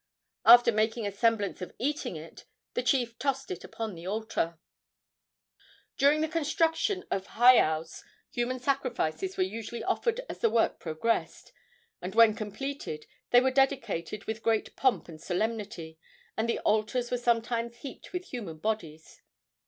After making a semblance of eating it the chief tossed it upon the altar. During the construction of heiaus human sacrifices were usually offered as the work progressed, and when completed they were dedicated with great pomp and solemnity, and the altars were sometimes heaped with human bodies.